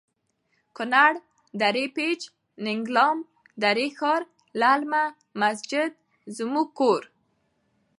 کنړ.دره پیج.ننګلام.دری ښار.للمه.مسجد زموړږ کور